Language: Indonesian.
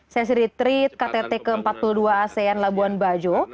sesi retreat ktt ke empat puluh dua asean labuan bajo